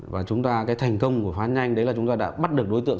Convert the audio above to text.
và chúng ta cái thành công của phán nhanh đấy là chúng ta đã bắt được đối tượng